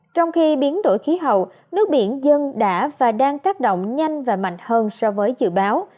trong khi biến đổi khí hậu nước biển dân đã và đang tác động nhanh và mạnh hơn so với dự báo